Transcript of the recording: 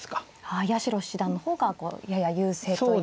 はい八代七段の方がやや優勢という。